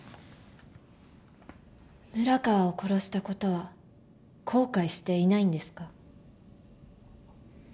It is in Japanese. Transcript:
村川を殺したことは後悔していないんですか？